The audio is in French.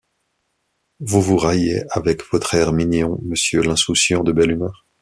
Vous vous raillez, avec votre air mignon, Monsieur l’insouciant de belle humeur !